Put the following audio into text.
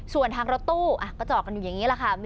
ส่วนทางรถตู้ก็จอดกันอยู่อย่างนี้แหละค่ะ